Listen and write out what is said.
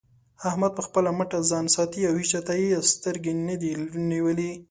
احمد په خپله مټه ځان ساتي او هيچا ته يې سترګې نه دې نيولې.